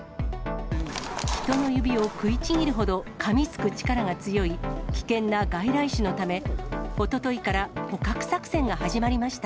人の指を食いちぎるほど、かみつく力が強い、危険な外来種のため、おとといから捕獲作戦が始まりました。